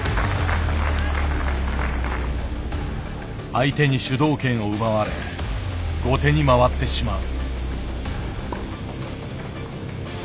相手に主導権を奪われ後手に回ってしまう。